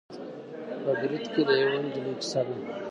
په بریده کې د یوې نجلۍ کیسه ده.